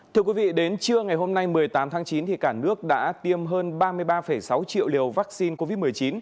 thưa quý vị đến trưa ngày hôm nay một mươi tám tháng chín cả nước đã tiêm hơn ba mươi ba sáu triệu liều vaccine covid một mươi chín